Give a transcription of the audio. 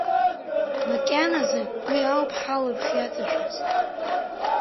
Макьаназы уи ауп ҳалаԥш иҵашәаз.